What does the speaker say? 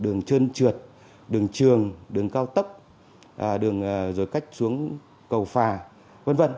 đường chân trượt đường trường đường cao tấp đường rồi cách xuống cầu phà v v